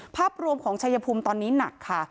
ภาพรวมของชัยภูมิตอนนี้หนักค่ะ